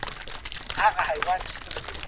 موږ د یوې عادلانه ټولنې په لور روان یو.